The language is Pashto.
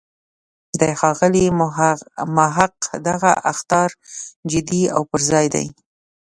د ښاغلي محق دغه اخطار جدی او پر ځای دی.